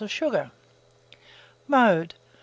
of sugar. Mode.